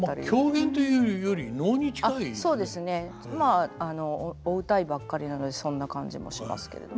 まあお謡ばっかりなのでそんな感じもしますけれども。